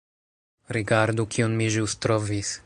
Rigardu kiun mi ĵus trovis